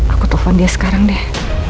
aku telepon dia sekarang deh